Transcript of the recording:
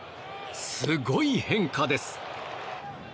すごい変化です。